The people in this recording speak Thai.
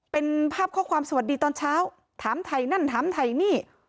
เป็นภาพข้อความสวัสดีตอนเช้าถามถ่ายนั่นถามถ่ายนี่